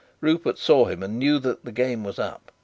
Rupert saw him, and knew that the game was up.